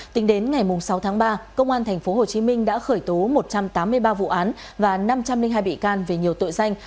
tính đến ngày sáu tháng ba công an tp hcm đã khởi tố một trăm tám mươi ba vụ án và năm trăm linh hai bị can về nhiều tội danh